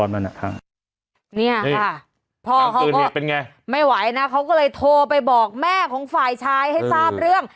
นี่ค่ะพ่อเขาไม่ไหวนะเขาก็เลยโทรไปบอกแม่ของฝ่ายชายให้ทราบเรื่อง